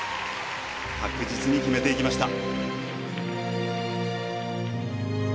確実に決めていきました。